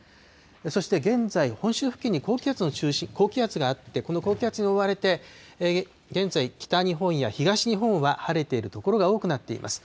そして現在、本州付近に高気圧があって、この高気圧に覆われて、現在、北日本や東日本は晴れている所が多くなっています。